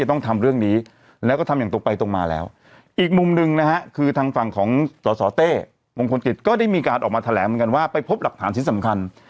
ออกมาแถลงเหมือนกันว่าไปพบหลักฐานสิทธิ์สำคัญ